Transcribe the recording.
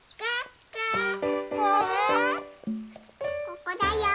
ここだよ。